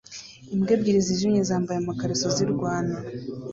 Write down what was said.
Imbwa ebyiri zijimye zambaye amakariso zirwana